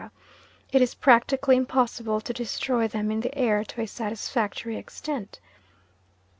it is practically impossible to destroy them in the air to a satisfactory extent.